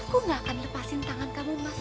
aku gak akan lepasin tangan kamu mas